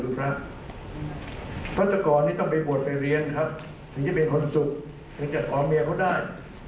พัทธกรต้องเบูอร์เป็นบวชไปเรียนถึงเป็นคนสุขถึงจัดขอเมียเขาก็ได้